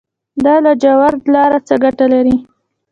د لاجوردو لاره څه ګټه لري؟